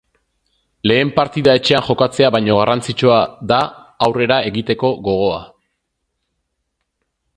Lehen partida etxean jokatzea baino garrantzitsua da aurrera egiteko gogoa.